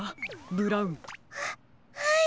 ブラウン。ははい。